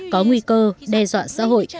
có nguy cơ đe dọa xã hội